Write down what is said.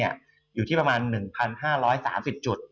อยู่ที่ประมาณ๑๕๓๐จุด